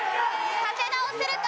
立て直せるか？